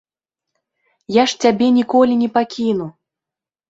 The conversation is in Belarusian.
Я ж цябе ніколі не пакіну.